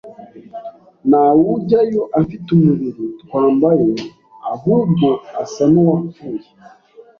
nta wujyayo afite umubiri twambaye ahubwo asa n’uwapfuye